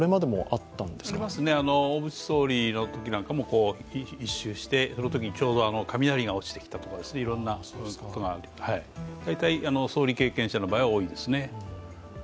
ありますね、小渕総理のときなんかも一周してちょうど雷が落ちてきたとかいろんなことがあって、大体、総理経験者の場合は多いですね。